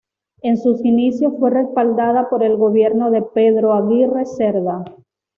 En sus inicios fue respaldada por el gobierno de Pedro Aguirre Cerda.